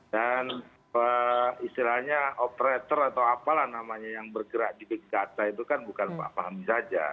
dan istilahnya operator atau apalah namanya yang bergerak di big data itu kan bukan pak fahmi saja